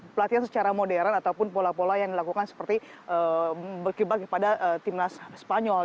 pelatihan secara modern ataupun pola pola yang dilakukan seperti berkibar kepada timnas spanyol